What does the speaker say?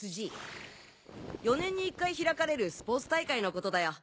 ４年に１回開かれるスポーツ大会のことだよ。